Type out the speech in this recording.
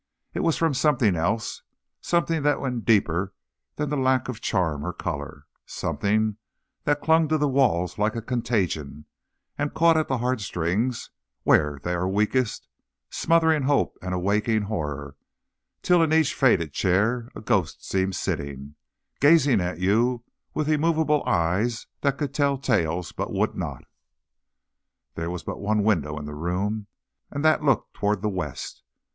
It was from something else something that went deeper than the lack of charm or color something that clung to the walls like a contagion and caught at the heart strings where they are weakest, smothering hope and awakening horror, till in each faded chair a ghost seemed sitting, gazing at you with immovable eyes that could tell tales, but would not. There was but one window in the room, and that looked toward the west.